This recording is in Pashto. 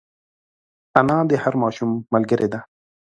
انا د هر ماشوم ملګرې ده